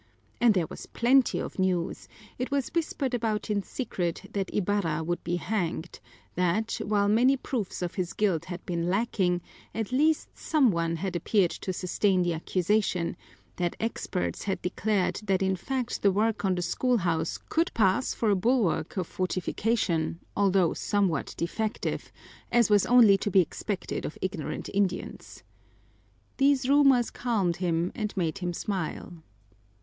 And there was plenty of news: it was whispered about in secret that Ibarra would be hanged; that, while many proofs of his guilt had been lacking, at last some one had appeared to sustain the accusation; that experts had declared that in fact the work on the schoolhouse could pass for a bulwark of fortification, although somewhat defective, as was only to be expected of ignorant Indians. These rumors calmed him and made him smile.